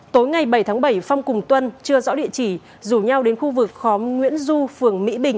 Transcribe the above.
tối ngày bảy tháng bảy phong cùng tuân chưa rõ địa chỉ rủ nhau đến khu vực khóm nguyễn du phường mỹ bình